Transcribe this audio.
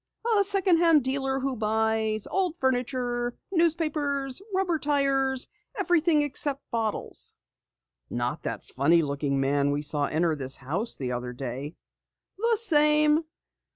"A second hand dealer who buys old furniture, newspapers, rubber tires everything except bottles." "Not that funny looking man we saw enter this house the other day!" "The same.